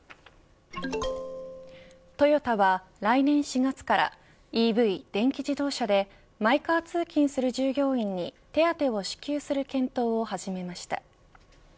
トヨタは来年４月からＥＶ電気自動車でマイカー通勤する従業員に手当を支給する検討を始めました。